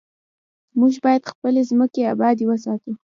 موږ باید خپلې ځمکې ابادې وساتو.